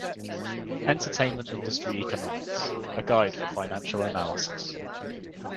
"Entertainment Industry Economics: A Guide for Financial Analysis".